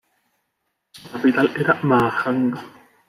Su capital era Mahajanga.